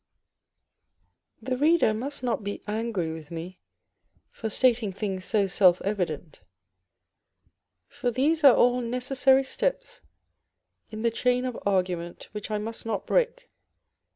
The reader must not be angry with me for stating things so self evident, for these are all necessary steps in the chain of argument which I must not break.